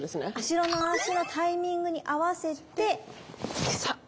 後ろの足のタイミングに合わせてサッ。